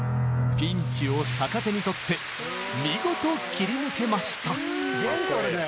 ピンチを逆手にとって見事切り抜けました。